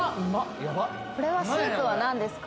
・ヤバッ！これはスープは何ですか？